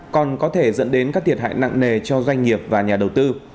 còn có thể dẫn đến các thiệt hại nặng nề cho doanh nghiệp và nhà đầu tư